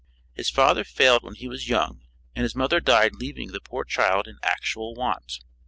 His father failed when he was young and his mother died leaving the poor child in actual want.